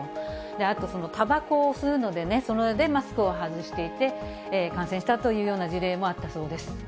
あとたばこを吸うのでね、それでマスクを外していて、感染したというような事例もあったそうです。